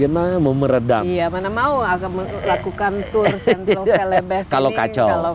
mana mau melakukan tour central celebessing kalau kacau